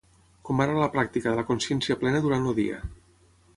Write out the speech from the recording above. com ara la pràctica de la consciència plena durant el dia